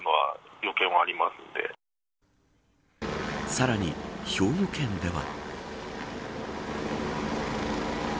さらに、兵庫県では。